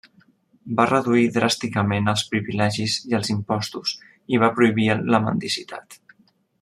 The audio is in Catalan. Va reduir dràsticament els privilegis i els impostos i va prohibir la mendicitat.